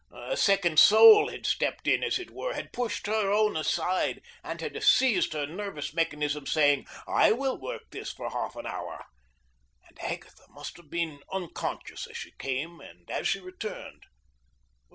A second soul had stepped in, as it were, had pushed her own aside, and had seized her nervous mechanism, saying: "I will work this for half an hour." And Agatha must have been unconscious as she came and as she returned.